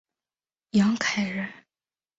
杨凯人。